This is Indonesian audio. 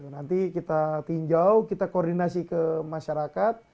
nanti kita tinjau kita koordinasi ke masyarakat